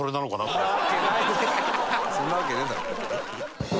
そんなわけねえだろ。